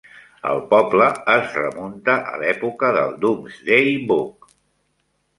El poble es remunta a l'època del "Domesday Book".